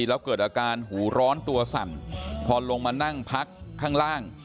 แล้วเกิดอาการหูร้อนตัวสั่นพอลงมานั่งพักข้างล่าง